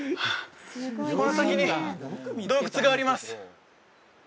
この先に洞窟があります